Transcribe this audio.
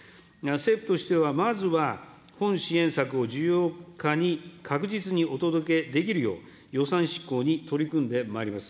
政府としてはまずは本支援策を需要家に確実にお届けできるよう、予算執行に取り組んでまいります。